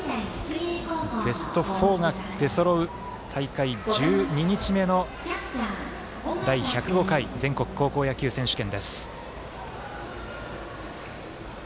ベスト４が出そろう大会１２日目の第１０５回全国高校野球選手権。